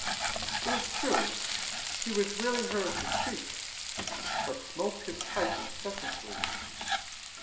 It is true he was rarely heard to speak, but smoked his pipe incessantly.